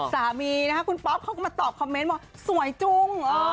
สามีนะคะคุณป๊อปเขาก็มาตอบคอมเมนต์ว่าสวยจุง